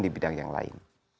di bidang yang lain